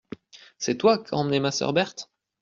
C'est toi qu'as emmené ma sœur Berthe.